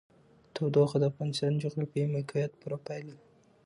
تودوخه د افغانستان د جغرافیایي موقیعت پوره پایله ده.